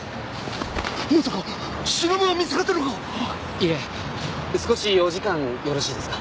いえ少しお時間よろしいですか？